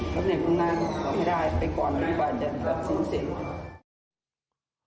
แล้วในคุณนั่งให้ได้ไปก่อนกว่าจะรับเสียงเสร็จ